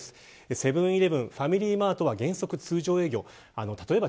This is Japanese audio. セブン‐イレブンファミリーマート原則、通常営業です。